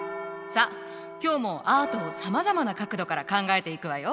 さあ今日もアートをさまざまな角度から考えていくわよ。